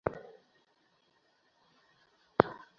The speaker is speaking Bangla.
ভক্ত ভগবানকে ভালবাসেন, কারণ তিনি না ভালবাসিয়া থাকিতে পারেন না।